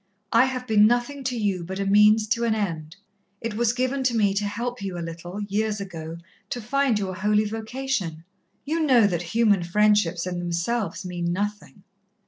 I have been nothing to you but a means to an end. It was given to me to help you a little, years ago, to find your holy vocation. You know that human friendships in themselves mean nothing."